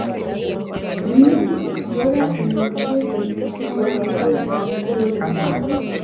Niki Ukora Imibare Kumuziga wa Roulette Wongeyeho